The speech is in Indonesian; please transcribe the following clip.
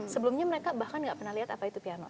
sebelumnya mereka bahkan gak pernah lihat apa itu piano